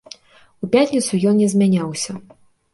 У пятніцу ён не змяняўся.